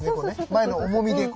前の重みでこう。